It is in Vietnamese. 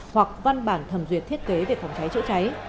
hoặc văn bản thẩm duyệt thiết kế về phòng cháy chữa cháy